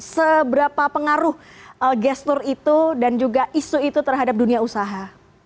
seberapa pengaruh gestur itu dan juga isu itu terhadap dunia usaha